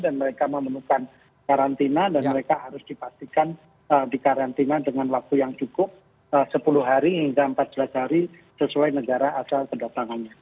dan mereka membutuhkan karantina dan mereka harus dipastikan dikarantina dengan waktu yang cukup sepuluh hari hingga empat belas hari sesuai negara asal kedatangannya